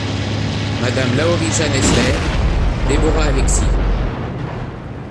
Madame lahorie JANE ESSLER. deborah ALEXIS.